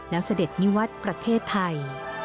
แล้วเสด็จนิวัตรประเทศไทย